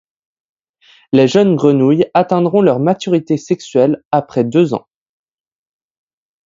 Les jeunes grenouilles atteindront leur maturité sexuelle après deux ans.